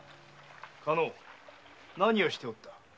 加納何をしておった？